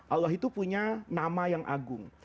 allah itu punya nama yang agung